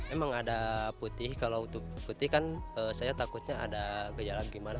emang ada putih kalau untuk putih kan saya takutnya ada gejala gimana